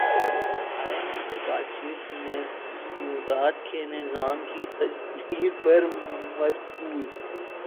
ئی M F سے بات چیت محصولات کے نظام کی تجدید پر مرکوز